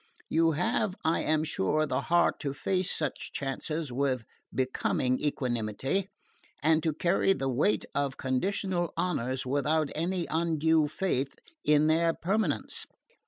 You have, I am sure, the heart to face such chances with becoming equanimity, and to carry the weight of conditional honours without any undue faith in their permanence."